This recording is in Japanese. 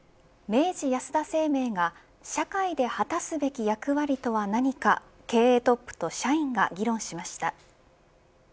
明治安田生命が社会で果たすべき役割とは何か経営トップと社員が議論しました。